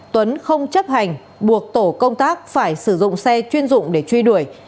tuấn không chấp hành buộc tổ công tác phải sử dụng xe chuyên dụng để truy đuổi